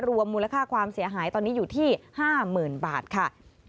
รวมมูลค่าความเสียหายตอนนี้อยู่ที่๕๐๐๐บาทค่ะ